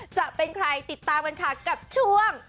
จะเป็นใครติดตามกันค่ะกับช่วง